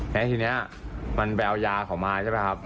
แต่ตอนนี้มันไปเอายาเขามา